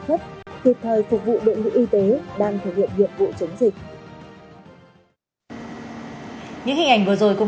xuất thiệt thời phục vụ bệnh viện y tế đang thử nghiệm nhiệm vụ chống dịch những hình ảnh vừa rồi